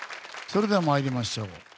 それでは参りましょう。